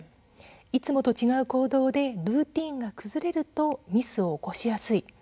いつもと違う行動でルーティンが崩れるとミスを起こしやすい。